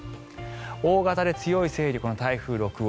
大型で強い勢力の台風６号